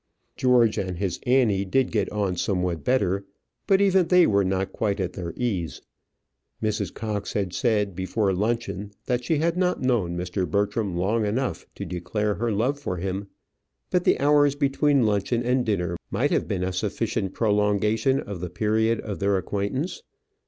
George and his Annie did get on somewhat better; but even they were not quite at their ease. Mrs. Cox had said, before luncheon, that she had not known Mr. Bertram long enough to declare her love for him. But the hours between luncheon and dinner might have been a sufficient prolongation of the period of their acquaintance.